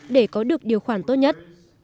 để có được điều khoản tốt nhất